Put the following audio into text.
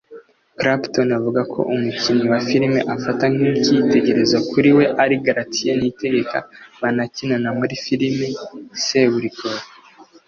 Clapton avuga ko umukinnyi wa filime afata nk’ikitegererezo kuri we ari Gratien Niyitegeka banakinana muri filime Seburikoko